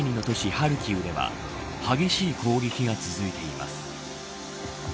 ハルキウでは激しい攻撃が続いています。